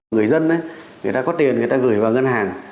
người dân người ta có tiền người ta gửi vào ngân hàng